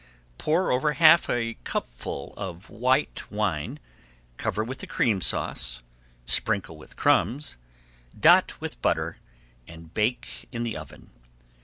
Pour over half a cupful of white wine, cover with a Cream Sauce, sprinkle with crumbs, dot with butter, and bake in the oven.